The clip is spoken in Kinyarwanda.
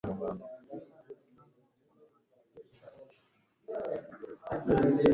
ubusanzwe aho ariho hose amashuri azana ubusumbane mu bantu